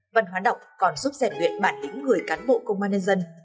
văn hoán đọc còn giúp sẻ nguyện bản đỉnh người cán bộ công an nhân dân